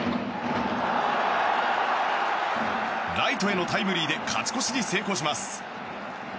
ライトへのタイムリーで勝ち越しに成功します。